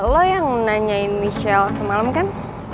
lo yang nanyain michelle semalam kan